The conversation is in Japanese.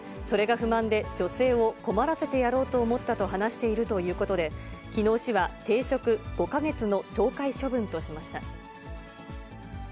それが不満で、女性を困らせてやろうと思ったと話しているということで、きのう、市は停職５か月の懲戒処分としました。